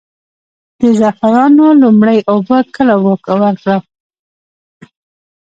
د زعفرانو لومړۍ اوبه کله ورکړم؟